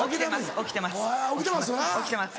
起きてます？